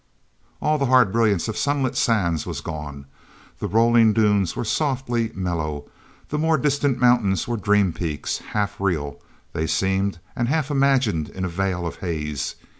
All the hard brilliance of sunlit sands was gone. The rolling dunes were softly mellow; the more distant mountains were dream peaks. Half real, they seemed, and half imagined in a veil of haze.